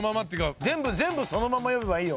全部そのまま読めばいいよ。